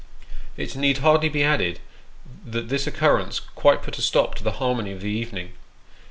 It need hardly be added, that this occurrence quite put a stop to the harmony of the evening.